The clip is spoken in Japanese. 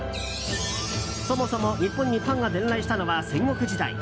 そもそも、日本にパンが伝来したのは戦国時代。